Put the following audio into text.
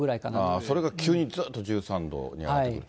それが急につーっと１３度に上がってくる。